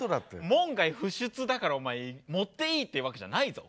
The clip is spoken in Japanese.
門外不出だからお前盛っていいってわけじゃないぞ。